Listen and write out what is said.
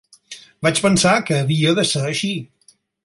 Vaig pensar que havia de ser així.